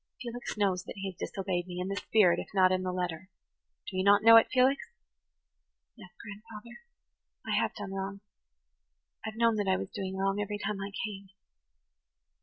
Felix knows that he has disobeyed me, in the spirit if not in the letter. Do you not know it, Felix?" "Yes, grandfather, I have done wrong–I've known that I was doing wrong every time I came.